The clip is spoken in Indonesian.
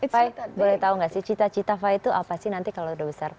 fai boleh tahu nggak sih cita cita fai itu apa sih nanti kalau udah besar